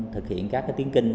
thực hiện các cái tiến kinh